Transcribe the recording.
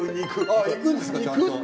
あっ行くんですかちゃんと。